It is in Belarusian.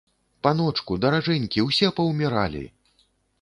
Паночку, даражэнькі, усе паўміралі!